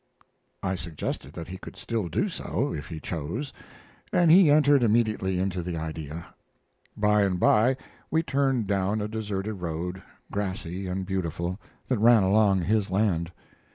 I suggested that he could still do so, if he chose, and he entered immediately into the idea. By and by we turned down a deserted road, grassy and beautiful, that ran along his land.